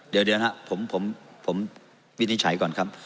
เดี๋ยวนะครับผมวินิจฉัยก่อนครับ